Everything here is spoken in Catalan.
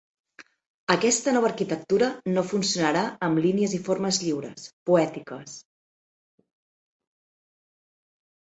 Aquesta nova arquitectura no funcionarà amb línies i formes lliures, poètiques.